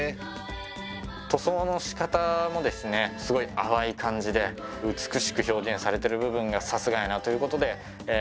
塗装のしかたもですねすごい淡い感じで美しく表現されてる部分がさすがやなということでひかれました。